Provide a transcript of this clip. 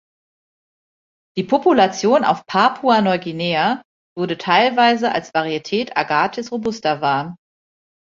Die Population auf Papua-Neuguinea wurde teilweise als Varietät "Agathis robusta" var.